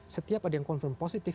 setiap ada yang confirm positif